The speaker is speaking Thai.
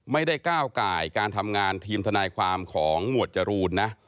ไม่ได้ก้าวไก่การทำงานทีมทนายความของหมวดจรูนนะ